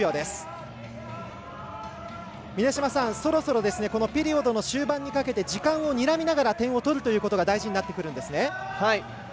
そろそろこのピリオドの終盤にかけて時間をにらみながら点を取るということが大事になってくるんですね。